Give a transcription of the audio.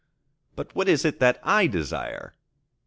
But what is it that I desire?